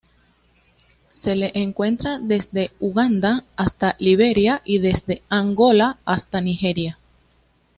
Se le encuentra desde Uganda hasta Liberia y desde Angola a Nigeria.